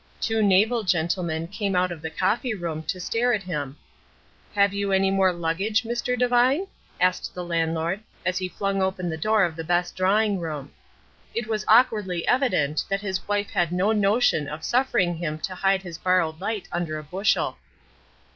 Two naval gentlemen came out of the coffee room to stare at him. "Have you any more luggage, Mr. Devine?" asked the landlord, as he flung open the door of the best drawing room. It was awkwardly evident that his wife had no notion of suffering him to hide his borrowed light under a bushel.